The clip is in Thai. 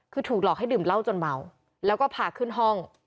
คือถูกหลอกให้ดื่มเหล้าจนเมาแล้วก็พาขึ้นห้อง